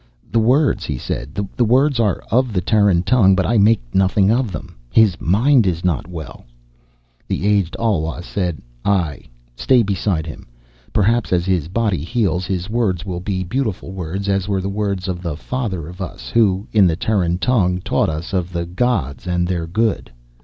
"The words," he said, "the words are of the Terran tongue, but I make nothing of them. His mind is not well." The aged Alwa said, "Aie. Stay beside him. Perhaps as his body heals, his words will be beautiful words as were the words of the Father of Us who, in the Terran tongue, taught us of the gods and their good."